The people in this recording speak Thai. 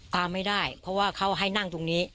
ตามไม่ได้เพราะว่าเขาให้นั่งตรงนี้